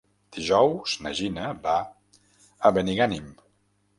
Dijous na Gina va a Benigànim.